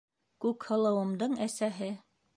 Күкһылыуымдың әсәһе.